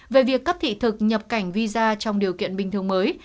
về việc cấp thị thực nhập cảnh visa trong điều kiện bình thường mới